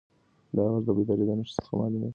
دا غږ د بیدارۍ د نښو څخه معلومېده.